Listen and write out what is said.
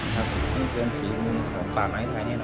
มันเป็นฝีมือของป่าไม้ไทยแน่นอน